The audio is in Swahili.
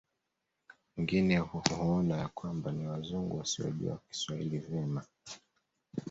Wengine huona ya kwamba ni Wazungu wasiojua Kiswahili vema